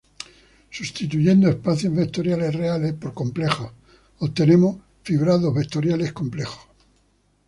Substituyendo espacios vectoriales reales por complejos, obtenemos fibrados vectoriales complejos.